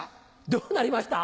どうなりました？